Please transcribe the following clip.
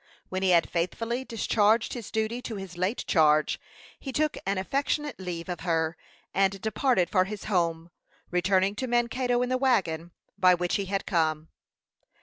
When he had faithfully discharged his duty to his late charge, he took an affectionate leave of her, and departed for his home, returning to Mankato in the wagon by which he had come.